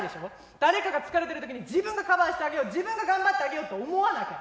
誰かが疲れてるときに自分がカバーしてあげよう自分が頑張ってあげようって思わなきゃ。